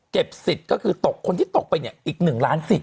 สิทธิ์ก็คือตกคนที่ตกไปเนี่ยอีก๑ล้านสิท